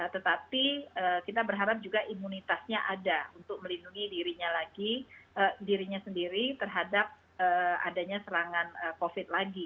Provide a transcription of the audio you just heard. tetapi kita berharap juga imunitasnya ada untuk melindungi dirinya lagi dirinya sendiri terhadap adanya serangan covid lagi